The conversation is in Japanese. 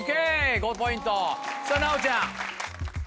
５ポイントさぁ奈央ちゃん。